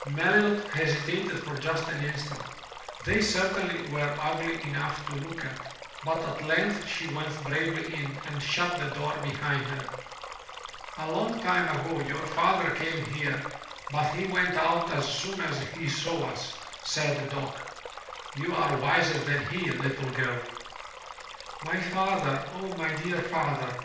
'' Melilot hesitated for just an instant — they certainly were ugly enough to look at — but at length she went bravely in and shut the door behind her. "A long time ago your father came here, but he went out as soon as he saw us," said Dock. "You are wiser than he, little girl." ''My father, O my dear father!"